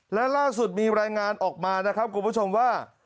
และล่าสุดมีรายงานออกมานะครับคุณผู้ชมว่า